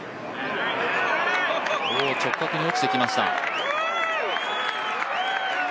直角に落ちてきました。